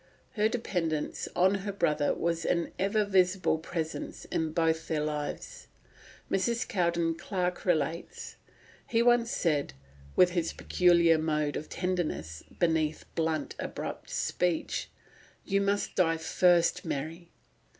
Her dependence on her brother was an ever visible presence in both their lives. Mrs. Cowden Clarke relates: "He once said, with his peculiar mode of tenderness beneath blunt, abrupt speech, 'You must die first, Mary.